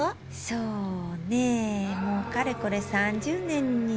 そうねもうかれこれ３０年になるかしら。